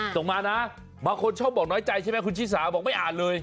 ส่งมานะบางคนชอบบอกน้อยใจใช่ไหมคุณชิสาบอกไม่อ่านเลย